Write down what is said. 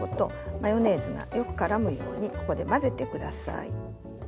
マヨネーズがよくからむようにここで混ぜてください。